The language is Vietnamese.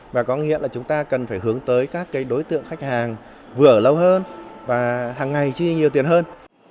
và có nghĩa là chúng ta cần phải hướng tới các đối tượng khách hàng vừa lâu hơn và hàng ngày chi nhiều tiền hơn